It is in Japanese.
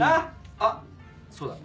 あっそうだ。